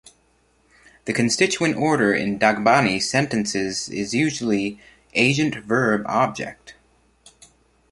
The constituent order in Dagbani sentences is usually agent-verb-object.